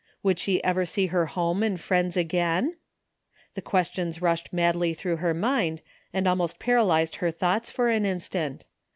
Would she ever see her home and friends again ? The questions rushed madly through her mind and almost paralyzed her thoughts for an instant.